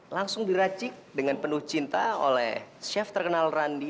langsung diracik dengan penuh cinta oleh chef terkenal randi